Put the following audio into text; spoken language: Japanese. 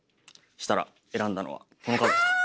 したら選んだのはこのカードですか？